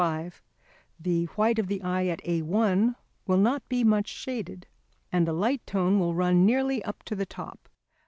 5, the white of the eye at A1 will not be much shaded, and the light tone will run nearly up to the top.